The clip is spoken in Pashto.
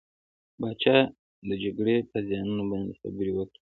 پاچا د جګرې په زيانونو باندې خبرې وکړې .